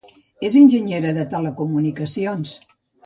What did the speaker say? És enginyera de Telecomunicacions.